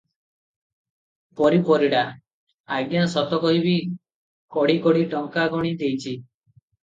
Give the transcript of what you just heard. ପରି ପରିଡା- ଆଜ୍ଞା ସତ କହିବି, କୋଡ଼ି କୋଡ଼ି ଟଙ୍କା ଗଣି ଦେଇଛି ।